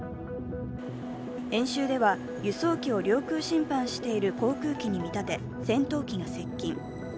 演習では、輸送機を領空侵犯している航空機に見立て戦闘機が接近。